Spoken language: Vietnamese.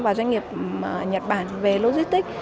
và doanh nghiệp nhật bản về logistics